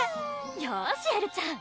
よしエルちゃん